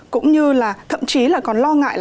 cũng như là thậm chí còn lo ngại